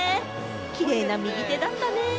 キレイな右手だったね。